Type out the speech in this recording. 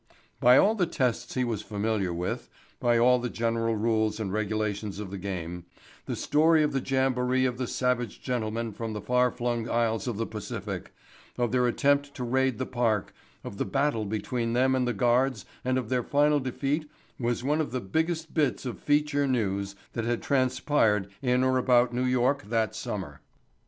By all the tests he was familiar with, by all the general rules and regulations of the game, the story of the jamboree of the savage gentlemen from the far flung isles of the Pacific, of their attempt to raid the park, of the battle between them and the guards and of their final defeat was one of the biggest bits of "feature news" that had transpired in or about New York that summer.